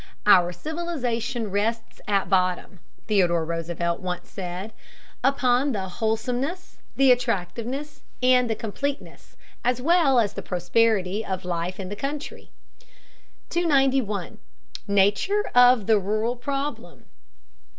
"Our civilization rests at bottom," Theodore Roosevelt once said, "upon the wholesomeness, the attractiveness, and the completeness, as well as the prosperity, of life in the country." 291. NATURE OF THE RURLAL PROBLEM.